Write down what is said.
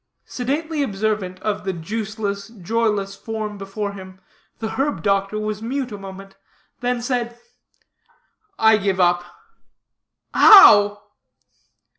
Sedately observant of the juiceless, joyless form before him, the herb doctor was mute a moment, then said: "I give up." "How?"